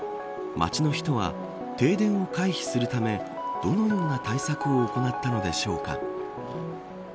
街の人は、停電を回避するためどのような対策を行ったのでしょうか。